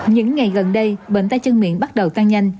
những ngày gần đây bệnh tay chân miệng bắt đầu tăng nhanh